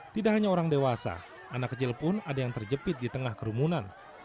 tidak hanya orang dewasa anak kecil pun ada yang terjepit di tengah kerumunan